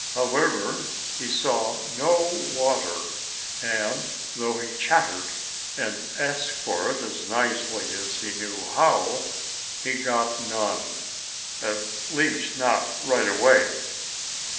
However, he saw no water, and, though he chattered, and asked for it as nicely as he knew how, he got none at least, not right away.